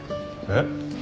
えっ？